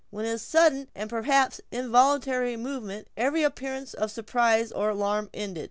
With his sudden and, perhaps, involuntary movement, every appearance of surprise or alarm ended.